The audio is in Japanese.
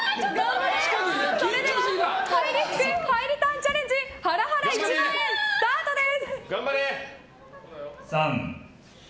ハイリスクハイリターンチャレンジハラハラ１万円スタートです！